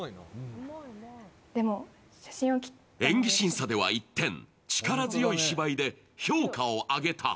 でも、写真を切った演技審査では一転、力強い芝居で評価を上げた。